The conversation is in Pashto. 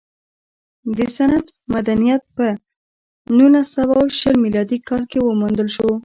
د سند مدنیت په نولس سوه شل میلادي کال کې وموندل شو